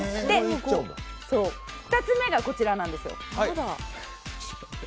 ２つ目がこちらなんです。